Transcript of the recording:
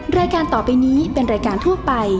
แม่ม่อนประจำบาน